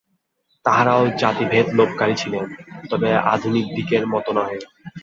তাঁহারাও জাতিভেদলোপকারী ছিলেন, তবে আধুনিকদিগের মত নহে।